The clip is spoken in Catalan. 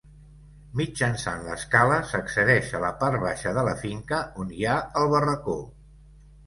Mitjançant l'escala s'accedeix a la part baixa de la finca on hi ha el barracó.